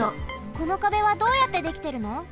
この壁はどうやってできてるの？